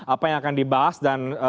apa yang akan dibahas dan